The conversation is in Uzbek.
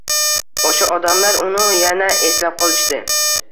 Oʻsha odamlar uni yana eslab qolishdi.